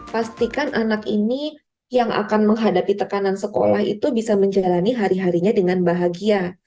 pastikan anak ini yang akan menghadapi tekanan sekolah itu bisa menjalani hari harinya dengan bahagia